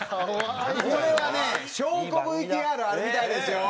これはね証拠ＶＴＲあるみたいですよ。